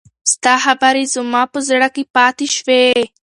ستا خبرې زما په زړه کې پاتې شوې.